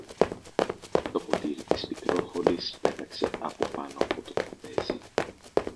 το ποτήρι της Πικρόχολης πέταξε από πάνω από το τραπέζι